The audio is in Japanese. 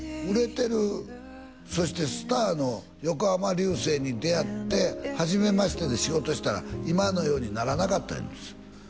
売れてるそしてスターの横浜流星に出会ってはじめましてで仕事したら今のようにならなかった言うんです